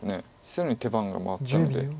白に手番が回ったので。